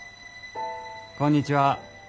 ・こんにちは。